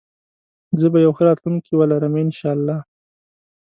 زه به يو ښه راتلونکي ولرم انشاالله